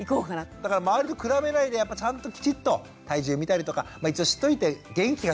だから周りと比べないでちゃんときちっと体重見たりとか一応知っといて元気かどうか。